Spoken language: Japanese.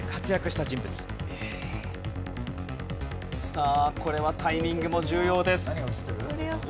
さあこれはタイミングも重要です。